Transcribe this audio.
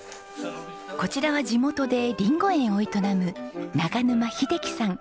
こちらは地元でりんご園を営む長沼秀樹さん。